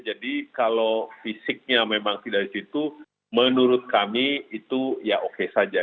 jadi kalau fisiknya memang tidak disitu menurut kami itu ya oke saja